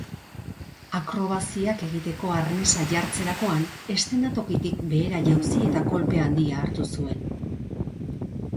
Akrobaziak egiteko arnesa jartzerakoan, eszenatokitik behera jauzi eta golpe handia hartu zuen.